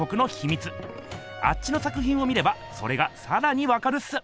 あっちの作ひんを見ればそれがさらにわかるっす！